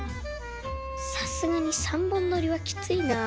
さすがに３本撮りはきついなあ。